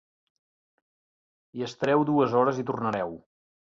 Hi estareu dues hores i tornareu.